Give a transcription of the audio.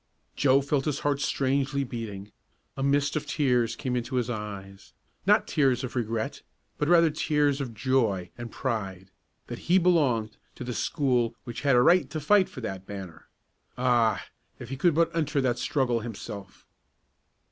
Joe felt his heart strangely beating. A mist of tears came into his eyes not tears of regret, but rather tears of joy and pride, that he belonged to the school which had a right to fight for that banner. Ah, if he could but enter that struggle himself!